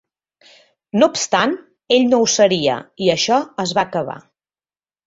No obstant, ell no ho seria, i això es va acabar.